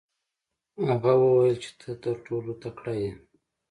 هغه وویل چې ته تر ټولو تکړه یې.